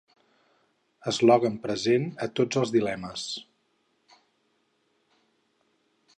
Eslògan present a tots els dilemes.